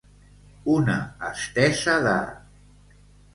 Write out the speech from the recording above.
Una estesa de.